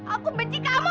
aku benci kamu